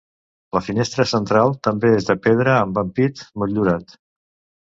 La finestra central també és de pedra amb ampit motllurat.